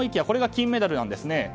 これが金メダルなんですね。